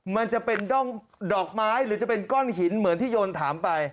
มันจะเป็นดอกไม้หรือจะเป็นก้อนหินเหมือนที่โยนถามไป